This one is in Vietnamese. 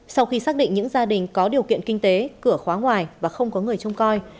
sau khi xác định những gia đình có điều kiện kinh tế cửa khóa ngoài và không có người trông coi